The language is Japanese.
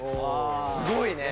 すごいね。